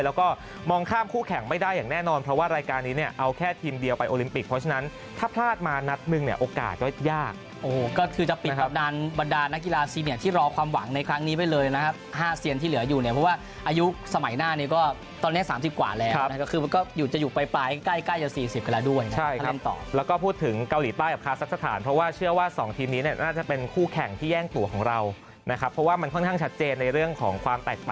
ทั้งนี้ไปเลยนะครับ๕เซียนที่เหลืออยู่เนี่ยเพราะว่าอายุสมัยหน้านี้ก็ตอนนี้๓๐กว่าแล้วนะครับก็คือมันก็อยู่จะอยู่ไปปลายใกล้ใกล้จะ๔๐กว่าแล้วด้วยใช่แล้วต่อแล้วก็พูดถึงเกาหลีใต้กับคาซักสถานเพราะว่าเชื่อว่าสองทีมนี้น่าจะเป็นคู่แข่งที่แย่งตัวของเรานะครับเพราะว่ามันค่อนข้างชัดเจนในเรื่องของความ